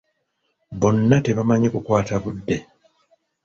Bonna tebamanyi kukwata budde.